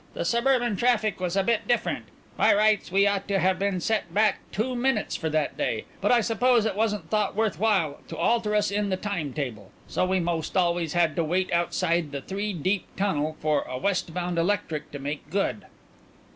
The suburban traffic was a bit different. By rights we ought to have been set back two minutes for that day, but I suppose it wasn't thought worth while to alter us in the time table, so we most always had to wait outside Three Deep tunnel for a west bound electric to make good."